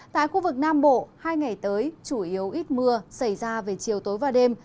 tại khu vực nam bộ hai ngày tới chủ yếu ít mưa xảy ra về chiều tối và đêm